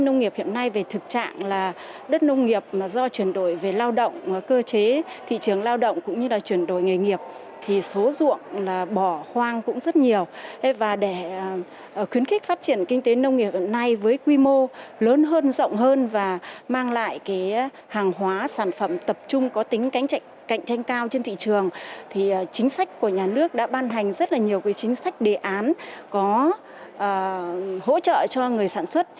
nếu như có tính cạnh tranh cao trên thị trường thì chính sách của nhà nước đã ban hành rất nhiều chính sách đề án có hỗ trợ cho người sản xuất